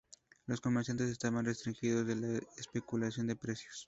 Los comerciantes estaban restringidos de la especulación de precios.